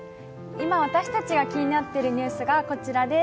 今、私たちが気になっているニュースがこちらです。